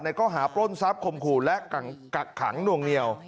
ข้อหาปล้นทรัพย์คมขู่และกักขังหน่วงเหนียว